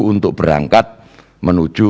untuk berangkat menuju